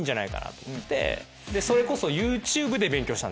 それこそＹｏｕＴｕｂｅで勉強した。